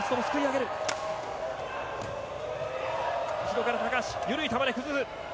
後ろから橋緩い球で崩す。